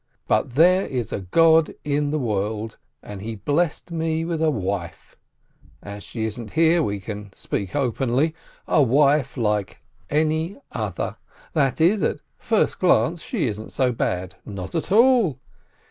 But there is a God in the world, and He blessed me with a wife — as she isn't here, we can speak openly — a wife like any other, that is, at first glance she isn't so bad — not at all